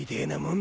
ん！